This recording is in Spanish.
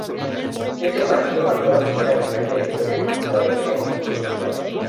Ese partido, marcó la primera final de la historia disputada entre ambos clubes rivales.